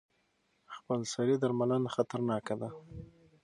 خپلسري درملنه خطرناکه ده.